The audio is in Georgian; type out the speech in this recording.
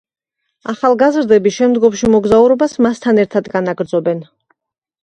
ახალგაზრდები შემდგომში მოგზაურობას მასთან ერთად განაგრძობენ.